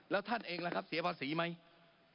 แล้วท่านเองล่ะครับเสียภาษีไหม